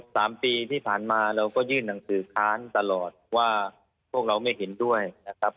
สามปีที่ผ่านมาเราก็ยื่นหนังสือค้านตลอดว่าพวกเราไม่เห็นด้วยนะครับ